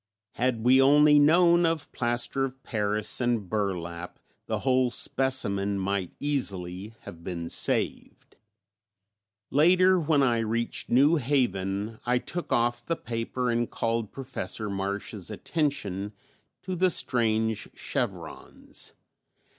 Had we only known of plaster of paris and burlap the whole specimen might easily have been saved. Later, when I reached New Haven, I took off the paper and called Professor Marsh's attention to the strange chevrons.